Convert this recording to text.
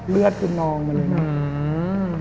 เลือดขึ้นนองมาเลยเนี่ย